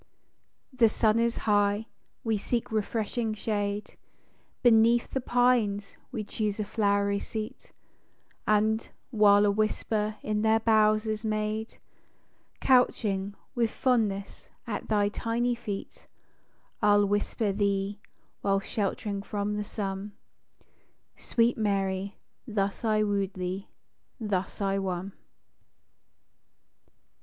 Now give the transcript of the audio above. The sun is high â we seek refreshing shade, Beneath the pines we choose a flowery seat ; And, while a whisper in their boughs is made, Couching, with fondness, at thy tiny feet, I'll whisper thee, while sheltering from the sunâ " Sweet Jlary, thus I woo'd thee, thus I won."